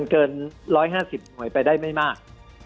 เกิน๑๕๐หน่วยไปได้ไม่มาก